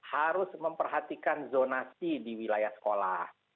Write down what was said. harus memperhatikan zonasi di wilayah sekolah